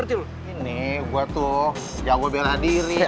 ini gue tuh yang bela diri